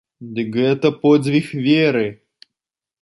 Дык гэта подзвіг веры!